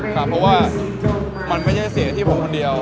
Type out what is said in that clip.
เพราะว่ามันไม่ใช่เสียที่ผมคนเดียว